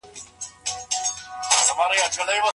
وطنه